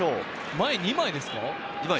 前２枚ですか？